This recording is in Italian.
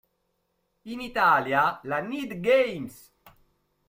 In Italia la Need Games!